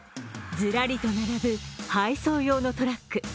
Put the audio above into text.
ずらりと並ぶ配送用のトラック。